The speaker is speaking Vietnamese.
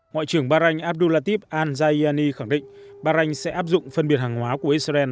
ngoại trưởng bahrain abdul latif al zayani khẳng định bahrain sẽ áp dụng phân biệt hàng hóa của israel